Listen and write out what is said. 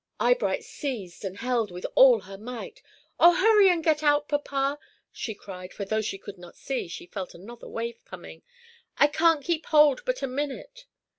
Eyebright seized and held with all her might. "Oh, hurry and get out, papa," she cried; for though she could not see, she felt another wave coming. "I can't keep hold but a minute."